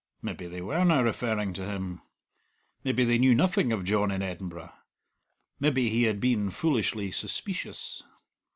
Maybe they werena referring to him; maybe they knew nothing of John in Edinburgh; maybe he had been foolishly suspeecious.